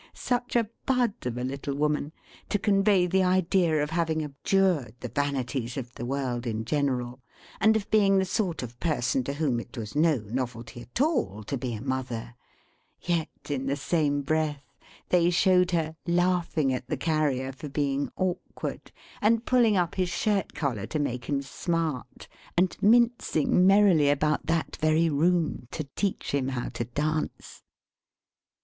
such a bud of a little woman to convey the idea of having abjured the vanities of the world in general, and of being the sort of person to whom it was no novelty at all to be a mother; yet in the same breath, they showed her, laughing at the Carrier for being awkward, and pulling up his shirt collar to make him smart, and mincing merrily about that very room to teach him how to dance!